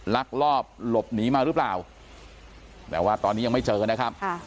ลักลอบหลบหนีมาหรือเปล่าแต่ว่าตอนนี้ยังไม่เจอนะครับ